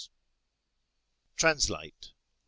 TRANSLATE 1.